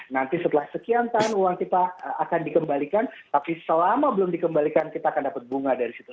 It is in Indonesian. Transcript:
nanti setelah sekian tahun uang kita akan dikembalikan tapi selama belum dikembalikan kita akan dapat bunga dari situ